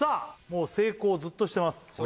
もう成功ずっとしてますＯＫ